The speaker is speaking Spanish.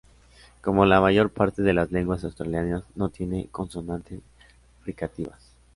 Como la mayor parte de las lenguas australianas, no tiene consonantes fricativas.